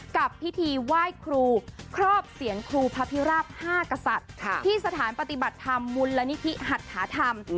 กับพิธีไหว้ครูครอบเสียงครูพระพิราบ๕กษัตริย์ที่สถานปฏิบัติธรรมมูลนิธิหัตถาธรรม